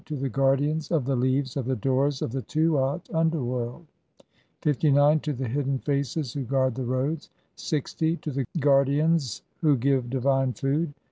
to the Guardians of the leaves of the Doors of the Tuat (Underworld), 5 59. to the Hidden Faces who guard the roads, 60. to the Guardians who give divine food